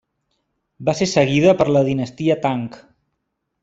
Va ser seguida per la dinastia Tang.